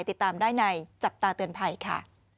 ติดตามได้ในจับตาเตือนภัยค่ะ